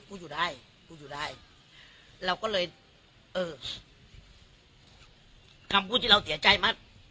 อยู่ได้กูอยู่ได้เราก็เลยเออคำพูดที่เราเสียใจมาก